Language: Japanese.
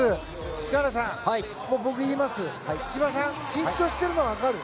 塚原さん、僕言います千葉さん緊張しているのは分かる。